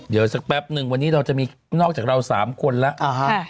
เดี๋ยวสักแป๊บนึงวันนี้เราจะมีนอกจากเรา๓คนแล้ว